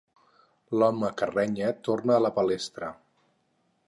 L'home que renya torna a la palestra.